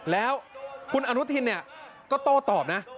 แล้วคุณอนุทินเนี่ยก็โต้ตอบนะ